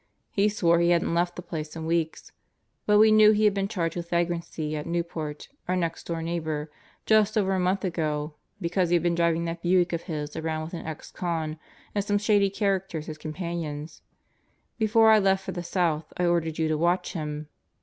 He swore he hadn't left the place in floor of her ?Jut we knew he had been charged with vagrancy at back and avt, our next door neighbor, just over a month ago because Elsie Ep.<id been driving that Buick of his around with an ex con and flie shady characters as companions. Before I left for the South I ordered you to watch him.